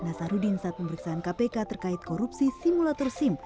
nasarudin saat pemeriksaan kpk terkait korupsi simulator sim